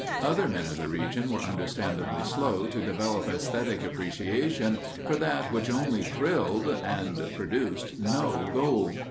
Other men of the region were understandably slow to develop aesthetic appreciation for that which only thrilled and produced no gold.